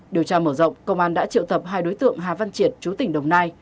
điều tra mở rộng công an đã triệu tập hai đối tượng hà văn triệt chú tỉnh đồng nai